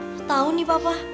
aku tau nih papa